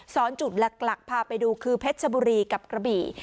จุดหลักพาไปดูคือเพชรชบุรีกับกระบี่